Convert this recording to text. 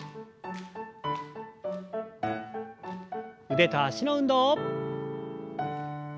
腕と脚の運動。